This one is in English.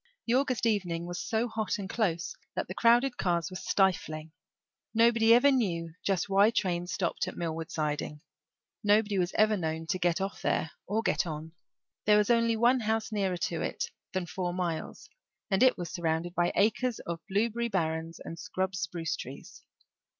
The August evening was so hot and close that the crowded cars were stifling. Nobody ever knew just why trains stopped at Millward siding. Nobody was ever known to get off there or get on. There was only one house nearer to it than four miles, and it was surrounded by acres of blueberry barrens and scrub spruce trees.